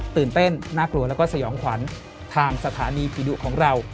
ตื่นเต้นน่ากลัวแล้วก็สยองขวัญทางสถานีผีดุของเรา